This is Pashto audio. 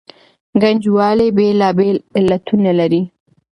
ګنجوالي بېلابېل علتونه لري.